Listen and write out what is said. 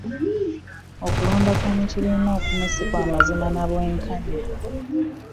Okulonda kw'omukibiina okumu si kw"amazima na bw'enkanya.